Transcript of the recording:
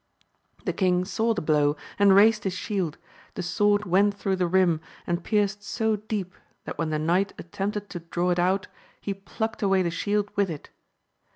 The king saw the blow, and raised his shield, the sword went through the rim, and pierced so deep, that when the knight attempted to draw it out, he plucked away the shield with it.